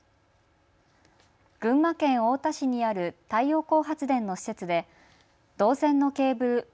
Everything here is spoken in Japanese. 群馬県太田市にある太陽光発電の施設で銅線のケーブル